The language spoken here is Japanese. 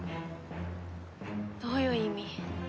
どういう意味？